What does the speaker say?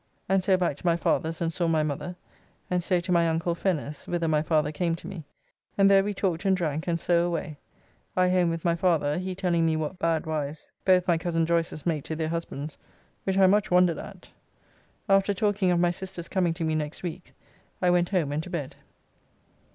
And so back to my father's and saw my mother, and so to my uncle Fenner's, whither my father came to me, and there we talked and drank, and so away; I home with my father, he telling me what bad wives both my cozen Joyces make to their husbands, which I much wondered at. After talking of my sister's coming to me next week, I went home and to bed.